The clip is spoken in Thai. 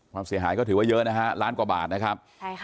ความเสียหายก็ถือว่าเยอะนะฮะล้านกว่าบาทนะครับ